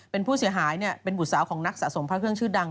เป็นผู้เสียหายเป็นบุตรสาวของนักสะสมพระเครื่องชื่อดัง